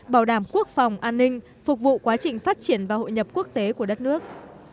bảo đảm quốc phòng an ninh phục vụ quá trình phát triển và hội nhập quốc tế của đất nước